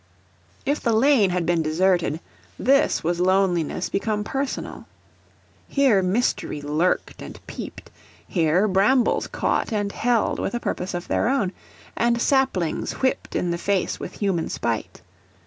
If the lane had been deserted, this was loneliness become personal. Here mystery lurked and peeped; here brambles caught and held with a purpose of their own, and saplings whipped the face with human spite.